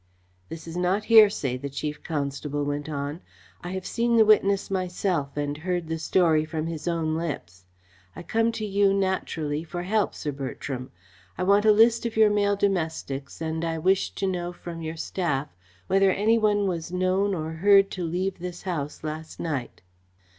"This is not hearsay," the Chief Constable went on. "I have seen the witness myself and heard the story from his own lips. I come to you naturally for help, Sir Bertram. I want a list of your male domestics and I wish to know from your staff whether any one was known or heard to leave this house last night."